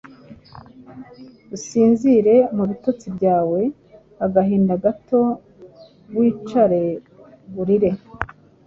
usinzire; mu bitotsi byawe Agahinda gato wicare urire.